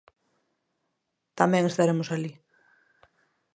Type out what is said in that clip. Tamén estaremos alí.